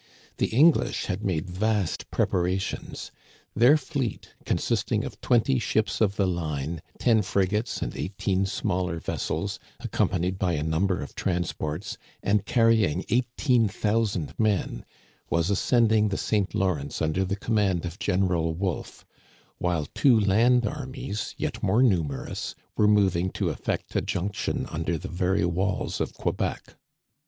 The Eng lish had made vast preparations. Their fleet, consisting of twenty ships of the line, ten frigates, and eighteen smaller vessels, accompanied by a number of transports, and carrying eighteen thousand men, was ascending the Digitized by VjOOQIC 1 68 THE CANADIANS OF OLD. St. Lawrence under the command of General Wolfe ; while two land armies, yet more numerous, were moving to effect a junction under the very walls of Quebec.